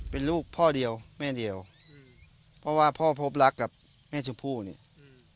เป็นลูกพ่อเดียวแม่เดียวอืมเพราะว่าพ่อพบรักกับแม่ชมพู่เนี่ยอืม